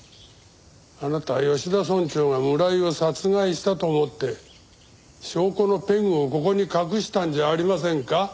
あなた吉田村長が村井を殺害したと思って証拠のペグをここに隠したんじゃありませんか？